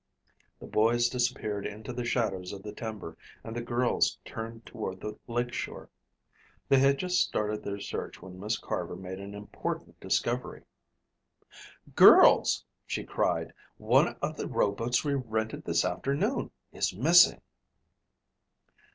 The boys disappeared into the shadows of the timber and the girls turned toward the lake shore. They had just started their search when Miss Carver made an important discovery. "Girls," she cried, "One of the rowboats we rented this afternoon is missing!"